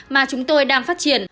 mà chúng tôi đang phát triển